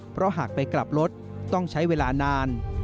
เพราะหากไปกลับรถต้องใช้เวลานาน